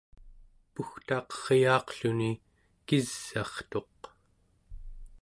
pugtaqeryaaqluni kis'a’rtuq